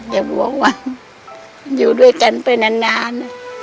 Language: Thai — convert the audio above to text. อย่าบอกว่าอยู่ด้วยกันไปนาน